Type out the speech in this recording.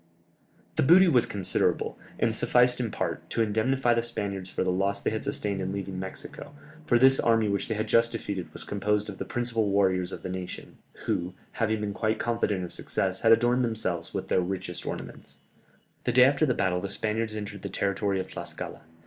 The booty was considerable, and sufficed in part, to indemnify the Spaniards for the loss they had sustained in leaving Mexico, for this army which they had just defeated was composed of the principal warriors of the nation, who, having been quite confident of success, had adorned themselves with their richest ornaments. [Illustration: Cortès at the Battle of Otumba.] The day after the battle the Spaniards entered the territory of Tlascala.